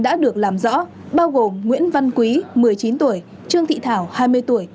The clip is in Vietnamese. đã được làm rõ bao gồm nguyễn văn quý một mươi chín tuổi trương thị thảo hai mươi tuổi